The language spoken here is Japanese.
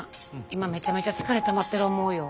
今めちゃめちゃ疲れたまってる思うよ。